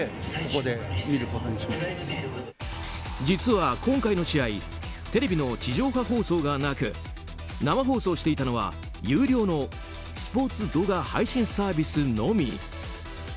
実は今回の試合テレビの地上波放送がなく生放送をしていたのは有料のスポーツ動画配信サービスのみ。